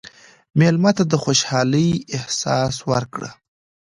مېلمه ته د خوشحالۍ احساس ورکړه.